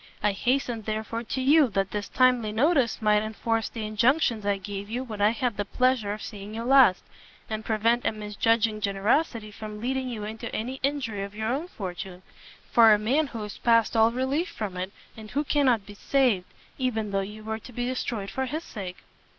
I hastened, therefore, to you, that this timely notice might enforce the injunctions I gave you when I had the pleasure of seeing you last, and prevent a misjudging generosity from leading you into any injury of your own fortune, for a man who is past all relief from it, and who cannot be saved, even though you were to be destroyed for his sake."